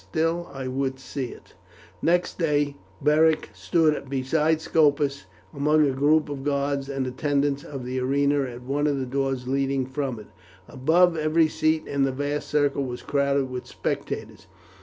Still I would see it." The next day Beric stood beside Scopus among a group of guards and attendants of the arena at one of the doors leading from it. Above, every seat of the vast circle was crowded with spectators.